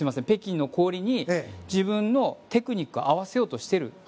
北京の氷に自分のテクニックを合わせようとしている。